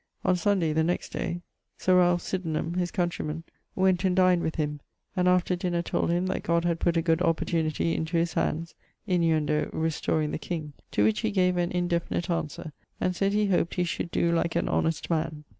On Sunday (the next day) Sir Ralph Sydenham (his countreyman) went and dined with him, and after dinner told him that God had putt a good opportunity into his handes, innuend. restoring the king; to which he gave an indefinite answer, and sayd he hoped he should doe like an honest man.